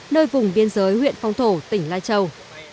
nơi vùng biên giới huyện phong thổ tỉnh lai châu